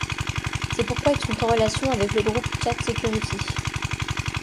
C'est pourquoi ils sont en relation avec le groupe chat-security.